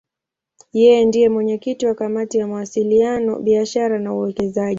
Yeye ndiye mwenyekiti wa Kamati ya Mawasiliano, Biashara na Uwekezaji.